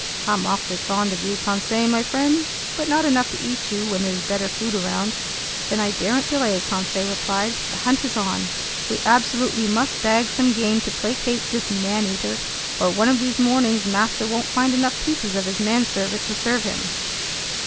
"I'm awfully fond of you, Conseil my friend, but not enough to eat you when there's better food around." "Then I daren't delay," Conseil replied. "The hunt is on! We absolutely must bag some game to placate this man eater, or one of these mornings master won't find enough pieces of his manservant to serve him."